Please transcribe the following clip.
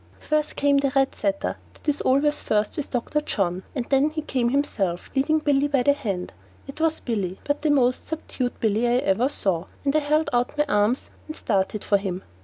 First came the red setter that is always first with Dr. John, and then he came himself, leading Billy by the hand. It was Billy, but the most subdued Billy I ever saw, and I held out my arms and started for him.